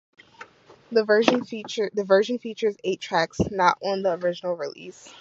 This version features eight tracks not on the original release.